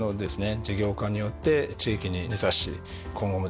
事業化によって地域に根差し今後もですね